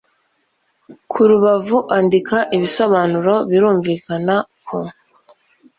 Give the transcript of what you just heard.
ku rubavu andika ibisobanuro Birumvikana ko